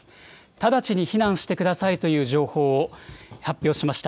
直ちに避難してくださいという情報を発表しました。